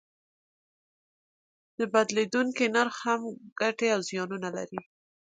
د بدلیدونکي نرخ هم ګټې او زیانونه لري.